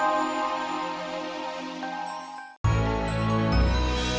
terima kasih pak